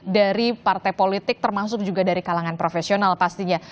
dari partai politik termasuk juga dari kalangan profesional pastinya